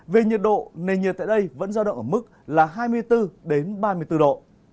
về nhiệt độ nền nhiệt tại đây vẫn giao động ở mức là hai mươi bốn ba mươi bốn độ